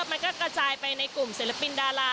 มันก็กระจายไปในกลุ่มศิลปินดารา